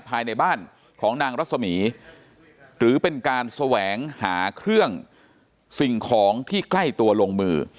ภายในบ้านของนางรัศมีหรือเป็นการแสวงหาเครื่องสิ่งของที่ใกล้ตัวลงมือ